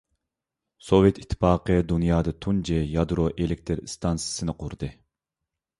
سوۋېت ئىتتىپاقى دۇنيادا تۇنجى يادرو ئېلېكتىر ئىستانسىسىنى قۇردى.